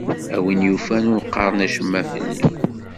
A wi yufan ur qqaren acemma fell-i.